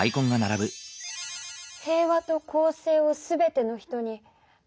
「平和と公正をすべての人に」。